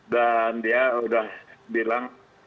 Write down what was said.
dan dia udah bilang